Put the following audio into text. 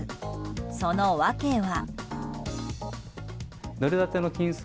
その訳は。